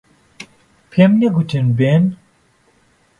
پێم نەگوتن بێن.